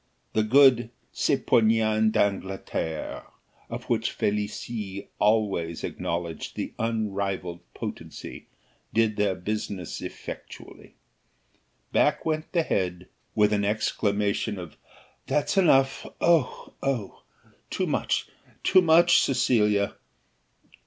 The good "Sels poignans d'Angleterre," of which Felicie always acknowledged the unrivalled potency, did their business effectually. Back went the head, with an exclamation of "That's enough! Oh, oh! too much! too much, Cecilia!"